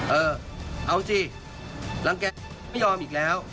เออเอาสิรังแกไม่ยอมอีกแล้ว